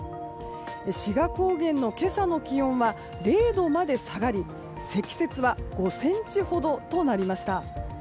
志賀高原の今朝の気温は０度まで下がり積雪は５ｃｍほどとなりました。